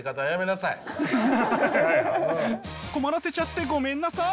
困らせちゃってごめんなさい！